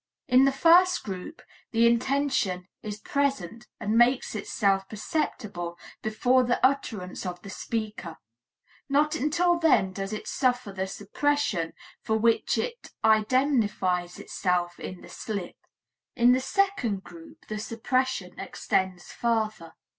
In the first group, the intention is present and makes itself perceptible before the utterance of the speaker; not until then does it suffer the suppression for which it indemnifies itself in the slip. In the second group the suppression extends farther.